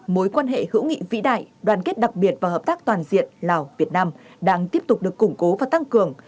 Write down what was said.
mối quan hệ hữu nghị vĩ đại đoàn kết đặc biệt và hợp tác toàn diện lào việt nam đang tiếp tục được củng cố và tăng cường